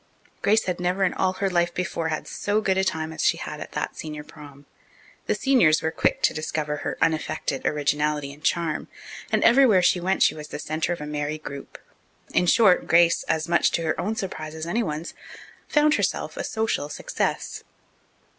Grace had never in all her life before had so good a time as she had at that senior prom. The seniors were quick to discover her unaffected originality and charm, and everywhere she went she was the centre of a merry group. In short, Grace, as much to her own surprise as anyone's, found herself a social success.